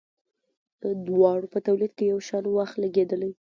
د دواړو په تولید یو شان وخت لګیدلی.